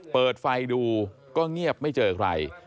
เปิดไฟดูก็เงียบไม่เจอใคร